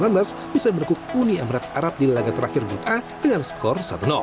bisa menekuk uni emirat arab di laga terakhir gita dengan skor satu